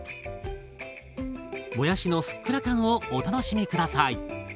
もやしのふっくら感をお楽しみ下さい。